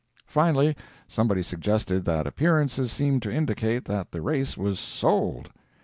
Finally, somebody suggested that appearances seemed to indicate that the race was "sold."